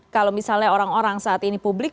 kalau misalnya orang orang saat ini publik